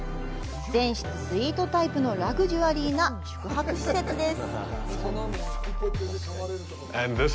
全室スイートタイプのラグジュアリーな宿泊施設です。